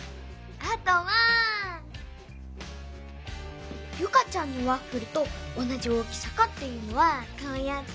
あとはユカちゃんのワッフルとおなじ大きさかっていうのはこうやって。